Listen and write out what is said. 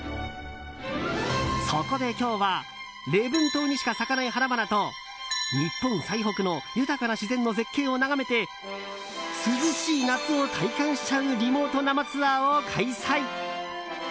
そこで今日は、礼文島にしか咲かない花々と日本最北の豊かな自然の絶景を眺めて涼しい夏を体験しちゃうリモート生ツアーを開催。